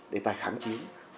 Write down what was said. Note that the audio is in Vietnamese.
đề tài kháng trí